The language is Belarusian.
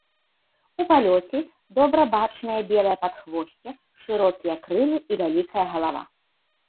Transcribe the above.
У палёце добра бачнае белае падхвосце, шырокія крылы і вялікая галава.